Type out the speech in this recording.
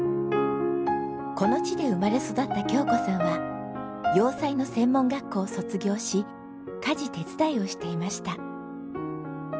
この地で生まれ育った京子さんは洋裁の専門学校を卒業し家事手伝いをしていました。